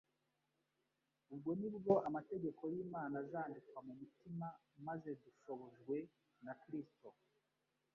Ubwo nibwo amategeko y'Imana azandikwa mu mutima, maze dushobojwe na Kristo,